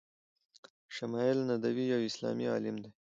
شمایل ندوی یو اسلامي علم ده